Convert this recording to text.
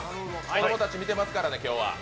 子供たち見てますからね、今日は。